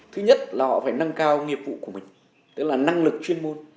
thứ nhất là họ phải nâng cao nghiệp vụ của mình tức là năng lực chuyên môn